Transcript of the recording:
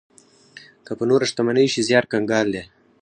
که په نوره شتمنۍ شي، زيار کنګال دی.